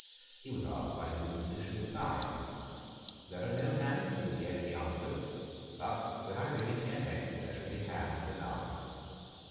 He was asked by whom the petition was signed. "There are no hands to it yet," he answered; "but, when I bring it here next, there shall be hands enough."